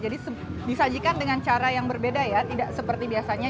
disajikan dengan cara yang berbeda ya tidak seperti biasanya